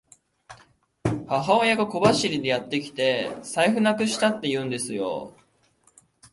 母親が小走りでやってきて、財布なくしたって言うんですよ。